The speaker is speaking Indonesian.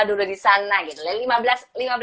dulu disana gitu